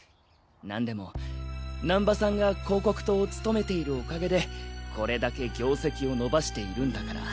なんでも難波さんが広告塔を務めているおかげでこれだけ業績を伸ばしているんだから。